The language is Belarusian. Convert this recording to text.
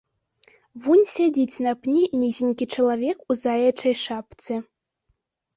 Вунь сядзіць на пні нізенькі чалавек у заячай шапцы.